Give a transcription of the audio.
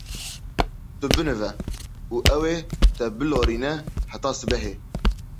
Tu binive û ew ê te bilorîne heta sibehê.